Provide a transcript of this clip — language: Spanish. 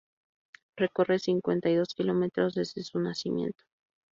Recorre cincuenta y dos kilómetros desde su nacimiento.